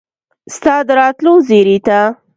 ستا د راتلو زیري ته